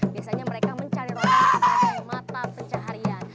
biasanya mereka mencari ronang dari mata pencaharian